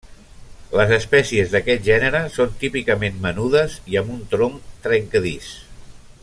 Les espècies d'aquest gènere són típicament menudes i amb un tronc trencadís.